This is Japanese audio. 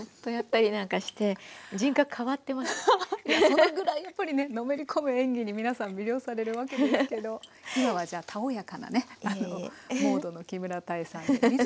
そのぐらいやっぱりねのめり込む演技に皆さん魅了されるわけですけど今はじゃあたおやかなねモードの木村多江さんで。